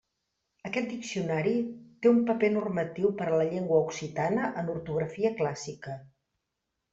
Aquest diccionari té un paper normatiu per a la llengua occitana, en ortografia clàssica.